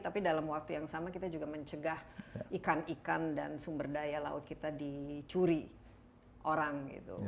tapi dalam waktu yang sama kita juga mencegah ikan ikan dan sumber daya laut kita dicuri orang gitu